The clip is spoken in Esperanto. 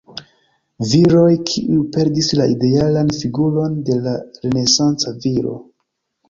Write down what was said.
Viroj, kiuj perdis la idealan figuron de la renesanca viro.